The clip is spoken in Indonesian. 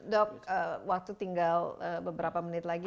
dok waktu tinggal beberapa menit lagi